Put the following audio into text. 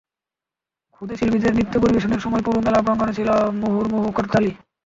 খুদে শিল্পীদের নৃত্যে পরিবেশনের সময় পুরো মেলা প্রাঙ্গণে ছিল মুহুর্মুহু করতালি।